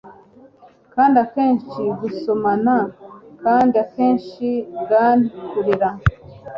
Kandi akenshi gusomana kandi akenshi gan kurira